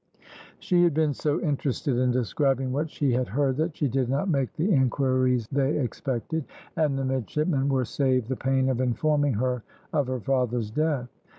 She had been so interested in describing what she had heard that she did not make the inquiries they expected, and the midshipmen were saved the pain of informing her of her father's death.